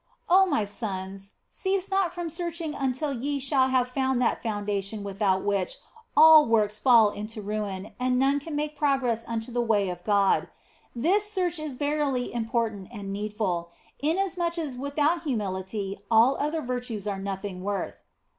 Oh my sons, cease not from searching until ye shall have found that foundation without which all works fall into ruin and none can make progress upon the way of God. This search is verily important and needful, in asmuch as without humility all other virtues are nothing worth.